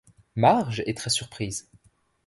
Marge est très surprise.